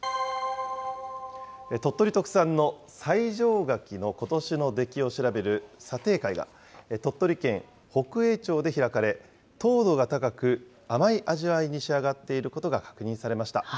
鳥取特産の西条柿のことしの出来を調べる査定会が、鳥取県北栄町で開かれ、糖度が高く、甘い味わいに仕上がっていることが確認されました。